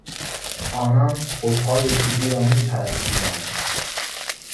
آنان بتهای چوبی را میپرستیدند.